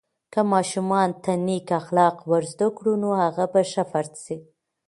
که ماشوم ته نیک اخلاق ورزده کړو، نو هغه به ښه فرد سي.